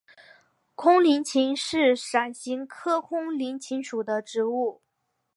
空棱芹是伞形科空棱芹属的植物。